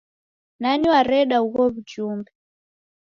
Nani wareda ugho w'ujumbe?